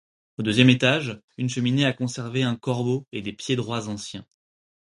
Au deuxième étage, une cheminée a conservé un corbeau et des piédroits anciens.